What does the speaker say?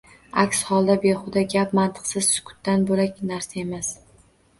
Aks holda behuda gap, mantiqsiz sukutdan bo‘lak narsa emas.